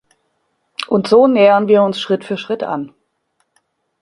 Und so nähern wir uns Schritt für Schritt an.